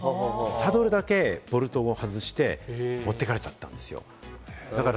サドルだけ、ボルトを外して、持ってかれちゃったんですよ。